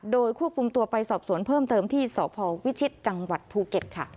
โดยควบคุมตัวไปสอบสวนเพิ่มเติมที่สพวิชิตจังหวัดภูเก็ตค่ะ